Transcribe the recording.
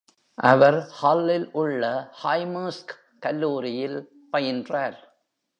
அவர் ஹல்லில் உள்ள ஹைமர்ஸ் கல்லூரியில் பயின்றார்.